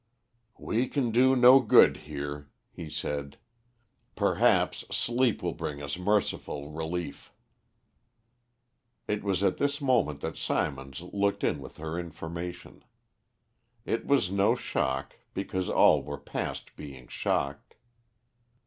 "We can do no good here," he said. "Perhaps sleep will bring us merciful relief." It was at this moment that Symonds looked in with her information. It was no shock, because all were past being shocked.